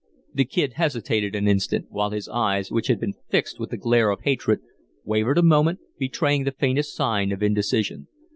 The Kid hesitated an instant, while his eyes, which had been fixed with the glare of hatred, wavered a moment, betraying the faintest sign of indecision.